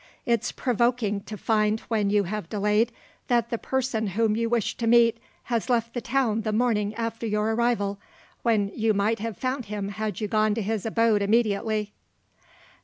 It's provoking to find when you have delayed that the person whom you wished to meet has left the town the morning after your arrival, when you might have found him had you gone to his abode immediately."